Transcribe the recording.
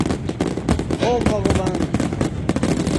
ওহ, ভগবান।